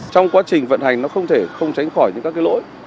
trong quá trình vận hành nó không thể không tránh khỏi những các cái lỗi